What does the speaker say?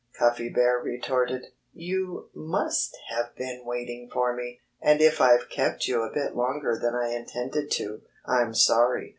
Cuffy Bear retorted. "You must have been waiting for me. And if I've kept you a bit longer than I intended to, I'm sorry.